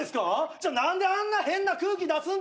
じゃあ何であんな変な空気出すんですか！